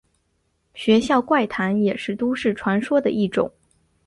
学校怪谈也是都市传说的一种。